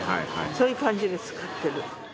そういう感じで使ってる。